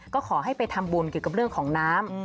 ก็ขอให้ไปทำบุญเกี่ยวกับเรื่องของน้ำ